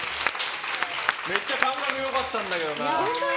めっちゃ感覚良かったんだけどな。